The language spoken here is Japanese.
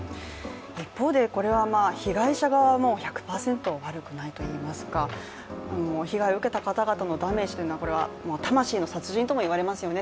一方でこれは被害者側も１００％悪くないといいますか、被害を受けた方々のダメージというのは魂の殺人とも言われますよね